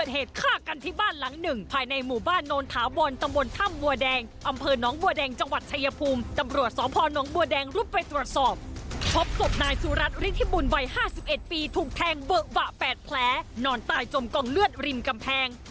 หลายปีถูกแทงเวอะหวะแปดแพลนอนตายจมกองเลือดริมกำแพง